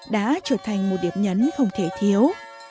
đã trở thành một điểm nhấn không thể thiếu